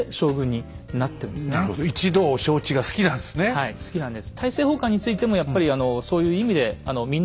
はい好きなんです。